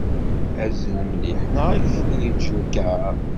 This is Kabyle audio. Azzel mliḥ neɣ ad k-yeǧǧ lkar.